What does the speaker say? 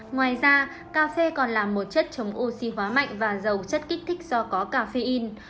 ngoài ra cà phê còn là một chất chống oxy hóa mạnh và giàu chất kích thích do có cà phê in